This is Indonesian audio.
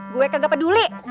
gue kagak peduli